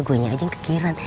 gue nyajeng kekiran